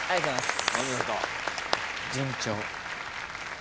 順調。